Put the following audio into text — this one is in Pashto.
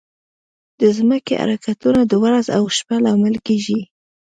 د ځمکې حرکتونه د ورځ او شپه لامل کېږي.